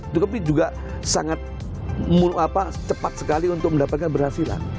tapi juga cepat sekali untuk mendapatkan berhasil